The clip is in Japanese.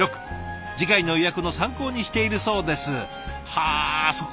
次回の予約の参考にしているそうです。